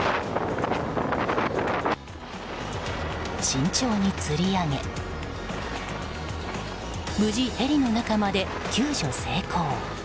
慎重につり上げ無事、ヘリの中まで救助成功。